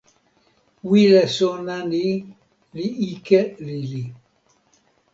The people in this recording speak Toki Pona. wile sona ni li ike lili.